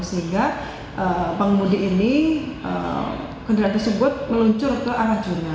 sehingga pengemudi ini kendaraan tersebut meluncur